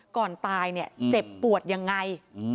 ก่อนตายเนี่ยเจ็บปวดยังไง